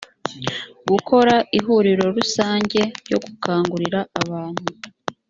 gukora ihuriro rusange ryo gukangurira abantu .